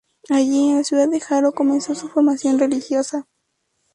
Ahí, en la ciudad de Jaro, comenzó su formación religiosa.